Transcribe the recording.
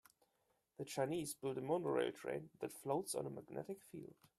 The Chinese built a monorail train that floats on a magnetic field.